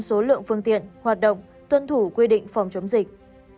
năm mươi số lượng phương tiện hoạt động tuân thủ quy định phòng chống dịch